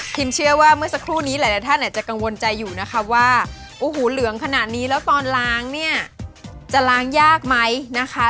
เชื่อว่าเมื่อสักครู่นี้หลายท่านอาจจะกังวลใจอยู่นะคะว่าโอ้โหเหลืองขนาดนี้แล้วตอนล้างเนี่ยจะล้างยากไหมนะคะ